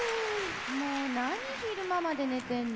もうなに昼間まで寝てんの？